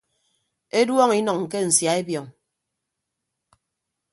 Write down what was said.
Eduọñọ inʌñ ke nsia ebiọñ.